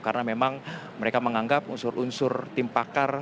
karena memang mereka menganggap unsur unsur tim pakar